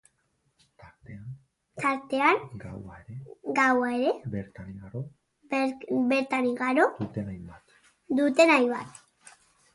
Tartean, gaua ere bertan igaro duten hainbat.